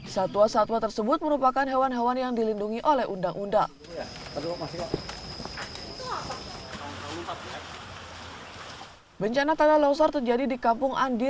satwa satwa tersebut merupakan hewan hewan yang dilindungi oleh undang undang